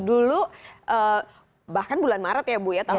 dulu bahkan bulan maret ya bu ya tahun ini